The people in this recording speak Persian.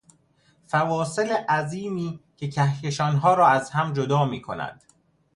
فواصل عظیمی که کهکشانها را از هم جدا میکند